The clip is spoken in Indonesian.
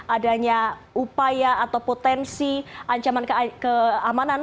adanya upaya atau potensi ancaman keamanan